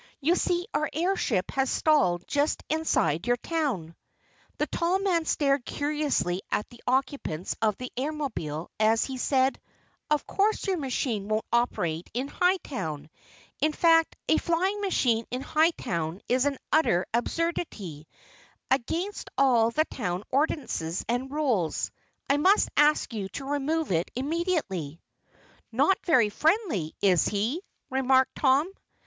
You see our airship has stalled just inside your town." The tall man stared curiously at the occupants of the Airmobile as he said: "Of course your machine won't operate in Hightown. In fact a flying machine in Hightown is an utter absurdity against all the town ordinances and rules. I must ask you to remove it immediately." "Not very friendly, is he?" remarked Tom.